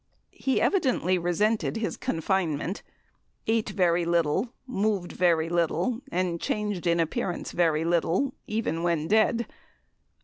He evidently resented his confinement, ate very little, moved very little, and changed in appearance very little, even when dead.